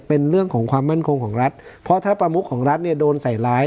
เป็นเรื่องของความมั่นคงของรัฐเพราะถ้าประมุขของรัฐเนี่ยโดนใส่ร้าย